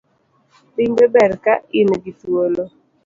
Limbe ber ka ingi thuolo